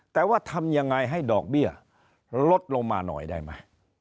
แต่ว่าทำยังไงให้ดอกเบี้ยลดลงมาหน่อยได้ไหม